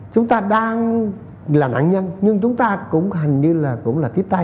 chúng ta đang là nạn nhân